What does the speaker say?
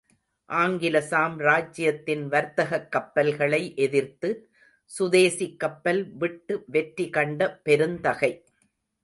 ஆங்கில சாம்ராஜ்யத்தின் வர்த்தகக் கப்பல்களை எதிர்த்து, சுதேசிக் கப்பல் விட்டு வெற்றி கண்ட பெருந்தகை.